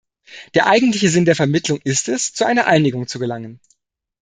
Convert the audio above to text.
Der eigentliche Sinn der Vermittlung ist es, zu einer Einigung zu gelangen.